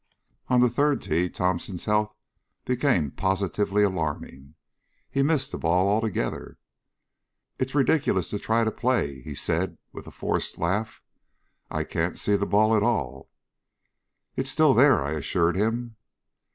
On the third tee Thomson's health became positively alarming. He missed the ball altogether. "It's ridiculous to try to play," he said with a forced laugh. "I can't see the ball at all." "It's still there," I assured him.